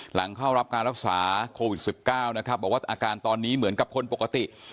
หลังเข้ารับการรักษาโควิด๑๙นะครับบอกว่าอาการตอนนี้เหมือนกับคนปกติ